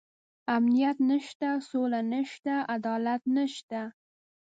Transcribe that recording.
امنيت نشته، سوله نشته، عدالت نشته.